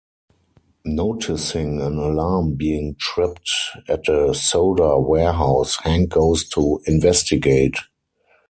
Noticing an alarm being tripped at a soda warehouse, Hank goes to investigate.